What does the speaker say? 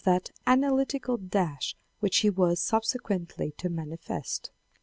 INTRODUCTION analytical dash which he was subsequently to manifest.